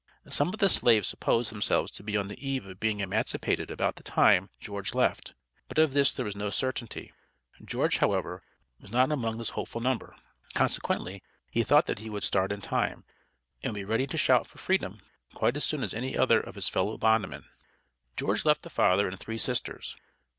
Some of the slaves supposed themselves to be on the eve of being emancipated about the time George left; but of this there was no certainty. George, however, was not among this hopeful number, consequently, he thought that he would start in time, and would be ready to shout for Freedom quite as soon as any other of his fellow bondmen. George left a father and three sisters.